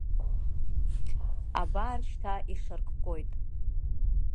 Абар шьҭа ишарккоит…